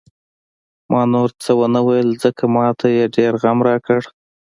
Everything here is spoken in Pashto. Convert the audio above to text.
ما نور څه ونه ویل، ځکه ما ته یې ډېر غم راکړ.